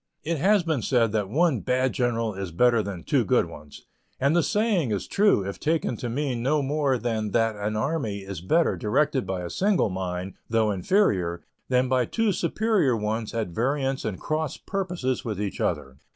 It has been said that one bad general is better than two good ones, and the saying is true if taken to mean no more than that an army is better directed by a single mind, though inferior, than by two superior ones at variance and cross purposes with each other.